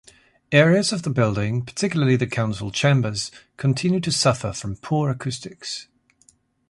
Areas of the building, particularly the council chambers, continue to suffer from poor acoustics.